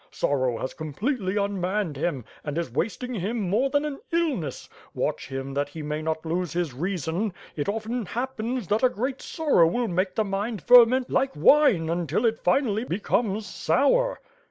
Sorrow has completely unmanned him, and is wasting him more than an illness. Watch him, that he may not lose his reason. It often happens that a great sorrow will make the mind ferment like wine, until it finally becomes sour."